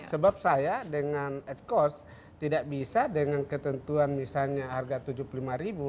sebab saya dengan at cost tidak bisa dengan ketentuan misalnya harga rp tujuh puluh lima